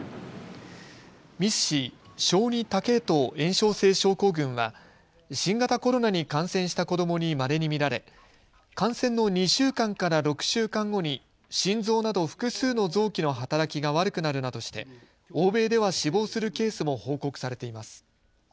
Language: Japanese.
ＭＩＳ−Ｃ・小児多系統炎症性症候群は新型コロナに感染した子どもにまれに見られ感染の２週間から６週間後に心臓など複数の臓器の働きが悪くなるなどして欧米では死亡するケースも報告されています。